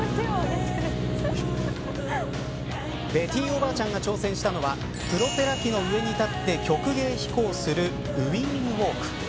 ベティーおばあちゃんが挑戦したのはプロペラ機の上に立って曲芸飛行をするウイング・ウォーク。